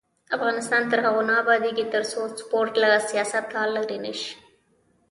افغانستان تر هغو نه ابادیږي، ترڅو سپورټ له سیاسته لرې نشي.